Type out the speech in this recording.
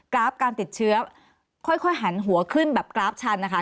ราฟการติดเชื้อค่อยหันหัวขึ้นแบบกราฟชันนะคะ